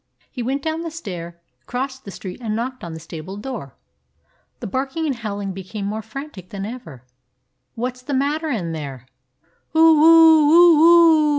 He went down the stair, crossed the street, and knocked at the stable door. The barking and howling became more frantic than ever. "What 's the matter in there?" "Oo oo oo oo